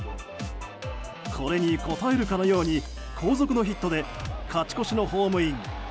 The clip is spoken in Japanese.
これに応えるかのように後続のヒットで勝ち越しのホームイン。